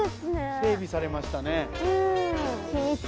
整備されましたね。